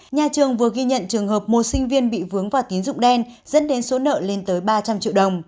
nhà trường vừa ghi nhận trường hợp một sinh viên bị vướng vào tín dụng đen dẫn đến số nợ lên tới ba trăm linh triệu đồng